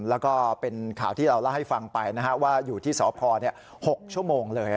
แล้วก็เป็นข่าวที่เราเล่าให้ฟังไปว่าอยู่ที่สพ๖ชั่วโมงเลย